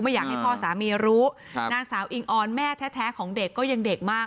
อยากให้พ่อสามีรู้นางสาวอิงออนแม่แท้ของเด็กก็ยังเด็กมาก